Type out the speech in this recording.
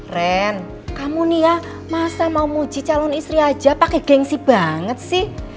ren kamu nih ya masa mau muji calon istri aja pakai gengsi banget sih